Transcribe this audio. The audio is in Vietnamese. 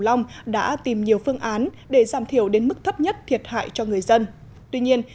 long đã tìm nhiều phương án để giảm thiểu đến mức thấp nhất thiệt hại cho người dân tuy nhiên